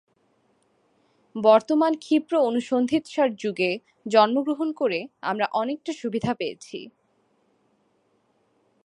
বর্তমান ক্ষিপ্র অনুসন্ধিৎসার যুগে জন্মগ্রহণ করে আমরা অনেকটা সুবিধা পেয়েছি।